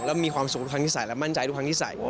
แล้วมีความสุขทุกครั้งที่ใส่และมั่นใจทุกครั้งที่ใส่